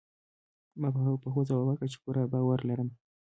ما په هوځواب ورکړ، چي پوره باور لرم.